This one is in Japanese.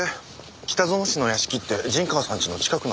北薗氏の屋敷って陣川さんちの近くなんだ。